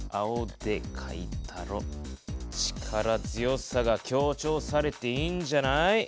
力強さが強調されていいんじゃない？